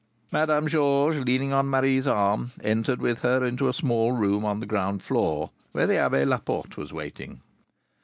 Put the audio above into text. Madame Georges, leaning on Marie's arm, entered with her into a small room on the ground floor, where the Abbé Laporte was waiting.